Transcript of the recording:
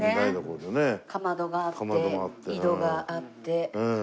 かまどがあって井戸があって。